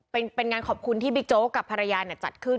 เป็นงานขอบคุณที่บิ๊กโจ๊กกับภรรยาจัดขึ้น